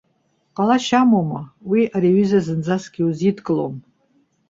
Ҟалашьа амоума? Уи ари аҩыза зынӡаск иуызидкылом.